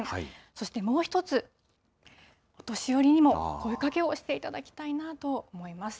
そしてもう一つ、お年寄りにも声かけをしていただきたいなと思います。